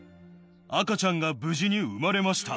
赤ちゃんが無事に生まれました。